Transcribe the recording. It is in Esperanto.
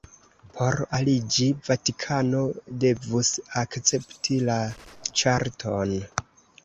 Por aliĝi, Vatikano devus akcepti la ĉarton.